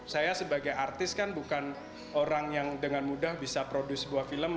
saya sebagai artis kan bukan orang yang dengan mudah bisa produce sebuah film